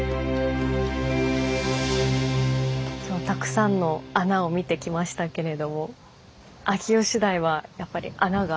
今日たくさんの穴を見てきましたけれども秋吉台はやっぱり穴が。